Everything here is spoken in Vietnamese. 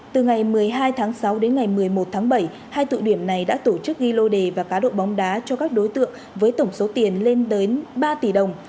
từ ngày một mươi hai tháng sáu đến ngày một mươi một tháng bảy hai tụ điểm này đã tổ chức ghi lô đề và cá độ bóng đá cho các đối tượng với tổng số tiền lên đến ba tỷ đồng